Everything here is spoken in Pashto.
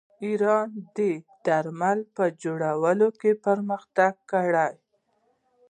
ایران د درملو په جوړولو کې پرمختګ کړی.